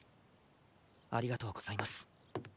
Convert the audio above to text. ありがとうございます。